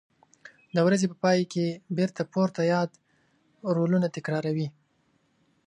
د ورځې په پای کې بېرته پورته یاد رولونه تکراروي.